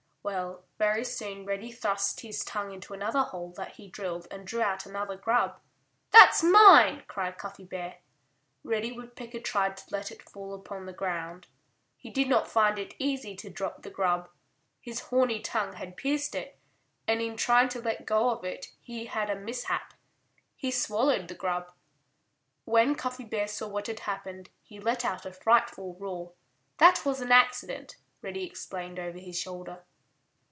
Well, very soon Reddy thrust his tongue into another hole that he drilled and drew out another grub. "That's mine!" cried Cuffy Bear. Reddy Woodpecker tried to let it fall upon the ground. He did not find it easy to drop the grub. His horny tongue had pierced it. And in trying to let go of it he had a mishap. He swallowed the grub. When Cuffy Bear saw what had happened he let out a frightful roar. "That was an accident," Reddy explained over his shoulder.